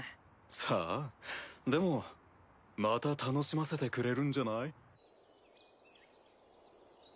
さあでもまた楽しませてくれるんじゃない？